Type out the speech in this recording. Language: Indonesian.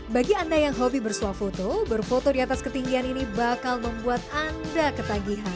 bagi anda yang hobi bersuah foto berfoto di atas ketinggian ini bakal membuat anda ketagihan